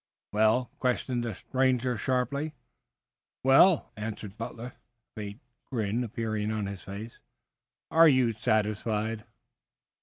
"Well?" questioned the stranger sharply. "Well?" answered Butler, a faint grin appearing on his face. "Are you satisfied?"